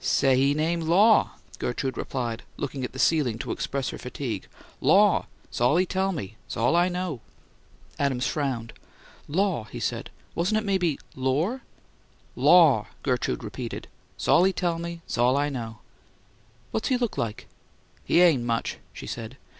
"Say he name Law," Gertrude replied, looking at the ceiling to express her fatigue. "Law. 'S all he tell me; 's all I know." Adams frowned. "Law," he said. "Wasn't it maybe 'Lohr?'" "Law," Gertrude repeated. "'S all he tell me; 's all I know." "What's he look like?" "He ain't much," she said.